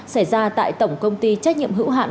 xảy ra tại tổng công ty trách nhiệm hữu hạn